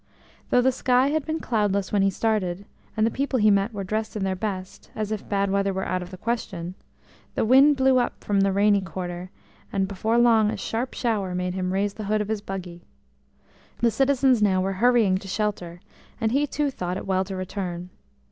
Though the sky had been cloudless when he started, and the people he met were dressed in their best, as if bad weather were out of the question, the wind blew up from the rainy quarter, and before long a sharp shower made him raise the hood of his buggy. The citizens now were hurrying to shelter, and he too thought it well to return.